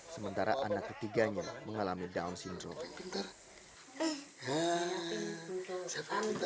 sementara anak ketiganya mengalami down syndrometer